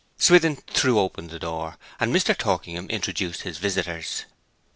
Swithin threw open the door, and Mr. Torkingham introduced his visitors.